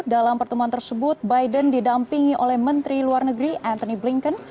dalam pertemuan tersebut biden didampingi oleh menteri luar negeri anthony blinken